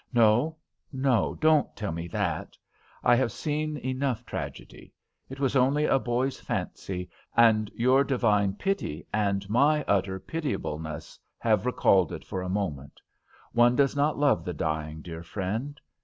"No, no; don't tell me that. I have seen enough tragedy. It was only a boy's fancy, and your divine pity and my utter pitiableness have recalled it for a moment. One does not love the dying, dear friend.